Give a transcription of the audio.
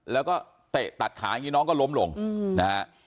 แล้วก็เตะตัดขาอย่างนี้น้องก็ล้มลงนะฮะ